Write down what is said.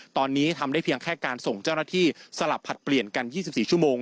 ตอนนี้ทำได้เพียงแค่การส่งเจ้าหน้าที่สลับผลัดเปลี่ยนกัน๒๔ชั่วโมง